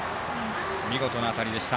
見事な当たりでした。